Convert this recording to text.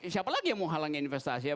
siapa lagi yang mau halangi investasi